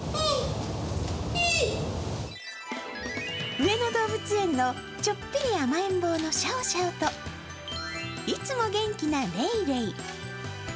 上野動物園のちょっぴり甘えん坊のシャオシャオといつも元気なレイレイ。